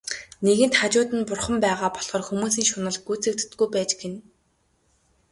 Нэгэнт хажууд нь Бурхан байгаа болохоор хүмүүсийн шунал гүйцэгддэггүй байж гэнэ.